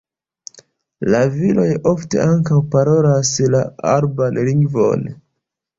La viroj ofte ankaŭ parolas la araban lingvon.